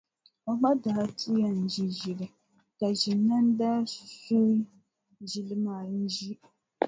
O ma daa ti yɛn ʒi ʒili ka Ʒinani daa suhi ʒili maa n-ʒi.